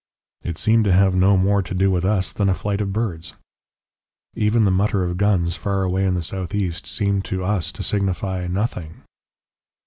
"It seemed to have no more to do with us than a flight of birds. "Even the mutter of guns far away in the southeast seemed to us to signify nothing....